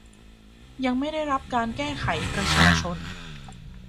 ยังไม่ได้รับการแก้ไขประชาชน